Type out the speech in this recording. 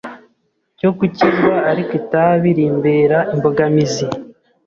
cyo gukizwa ariko itabi rimbera imbogamizi,